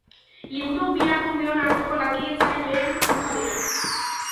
Liburuok bi erakundeon arteko lankidetzaren lehen fruitua dira.